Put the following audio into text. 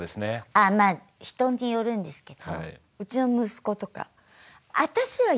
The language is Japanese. ああまあ人によるんですけどうちの息子とか。